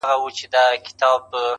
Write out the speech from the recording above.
o له بارانه ولاړی، ناوې ته کښېنستی!